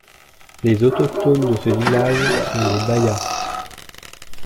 Les autochtones de ce village sont des Baya.